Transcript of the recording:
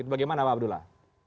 bagaimana pak abdullah